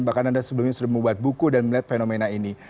bahkan anda sebelumnya sudah membuat buku dan melihat fenomena ini